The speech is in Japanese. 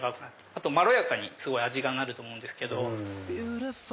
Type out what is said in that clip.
あとまろやかにすごい味がなると思うんですけど。